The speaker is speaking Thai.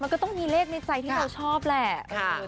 มันก็ต้องมีเลขในใจที่เราชอบแหละ